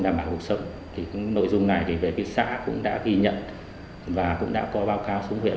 đảm bảo cuộc sống thì nội dung này thì về phía xã cũng đã ghi nhận và cũng đã có báo cáo xuống huyện